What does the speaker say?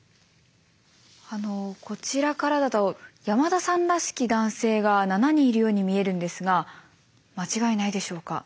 あのこちらからだと山田さんらしき男性が７人いるように見えるんですが間違いないでしょうか？